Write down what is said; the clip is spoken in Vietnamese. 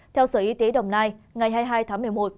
theo sở y tế đồng nai ngày hai mươi hai tháng một mươi một